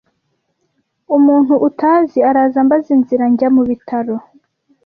Umuntu utazi araza ambaza inzira njya mu bitaro.